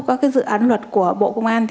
các cái dự án luật của bộ công an